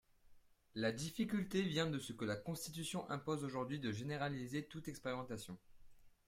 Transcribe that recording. La difficulté vient de ce que la Constitution impose aujourd’hui de généraliser toute expérimentation.